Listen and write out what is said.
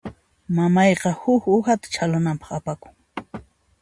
Mamayqa huk uhata chhalananpaq apakun.